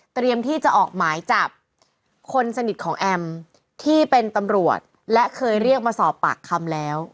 ที่จะออกหมายจับคนสนิทของแอมที่เป็นตำรวจและเคยเรียกมาสอบปากคำแล้ว